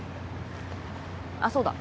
あっそうだ。